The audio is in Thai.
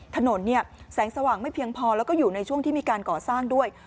ถนนเนี่ยแสงสว่างไม่เพียงพอแล้วก็อยู่ในช่วงที่มีการก่อสร้างด้วย